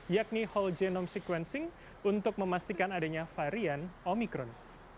yakni whole genome sequencing untuk memastikan adanya varian omikron